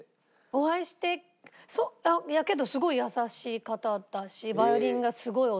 お会いしてけどすごい優しい方だし。